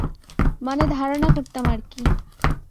মানে, ধারণা করতাম আরকি।